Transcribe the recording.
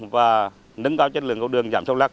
và nâng cao chất lượng cầu đường giảm sóc lắc